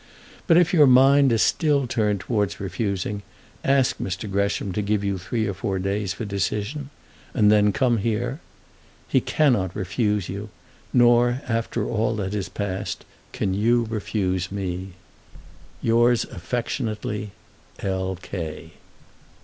But if your mind is still turned towards refusing, ask Mr. Gresham to give you three or four days for decision, and then come here. He cannot refuse you, nor after all that is passed can you refuse me. Yours affectionately, L. K.